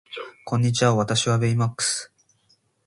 こんにちは私はベイマックス